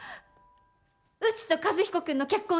うちと和彦君の結婚